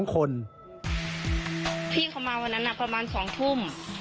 พี่เขามาวันนั้นประมาณ๒ทุ่ม